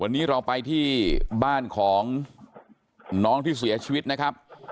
วันนี้เราไปที่บ้านของน้องที่เสียชีวิตนะครับ